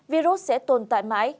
virus sẽ tồn tại mãi